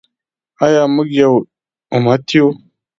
آیا موږ یو امت یو؟